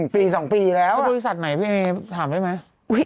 ปี๒ปีแล้วบริษัทไหนพี่เอถามได้ไหม